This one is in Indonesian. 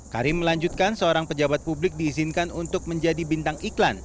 karim melanjutkan seorang pejabat publik diizinkan untuk menjadi bintang iklan